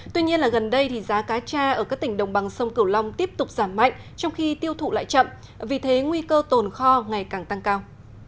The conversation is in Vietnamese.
tuy nhiên gần đây thì giá cá cha ở các tỉnh đồng bằng sông cửu long tiếp tục giảm mạnh trong khi tiêu thụ lại chậm vì thế nguy cơ tồn kho ngày càng tăng cao